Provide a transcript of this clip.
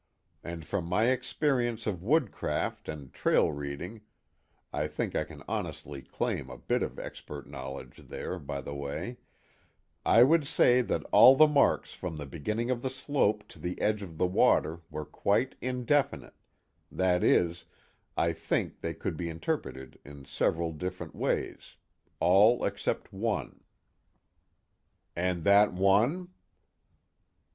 And from my experience of woodcraft and trail reading I think I can honestly claim a bit of expert knowledge there, by the way I would say that all the marks from the beginning of the slope to the edge of the water were quite indefinite; that is, I think they could be interpreted in several different ways, all except one." "And that one?"